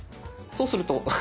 そうすると。